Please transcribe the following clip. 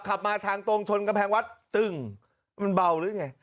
ขับมาทางตรงชนกำแพงวัดตึ้งมันเบาหรือไง